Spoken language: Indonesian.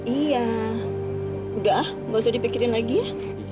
iya udah ah gak usah dipikirin lagi ya